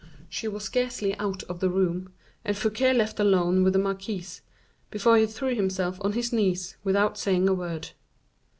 She was scarcely out of the room, and Fouquet left alone with the marquise, before he threw himself on his knees, without saying a word.